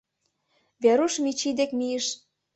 Веруш Мичи дек мийыш.